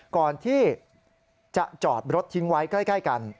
ก่อนที่จะจอดรถทิ้งไว้ใกล้กัน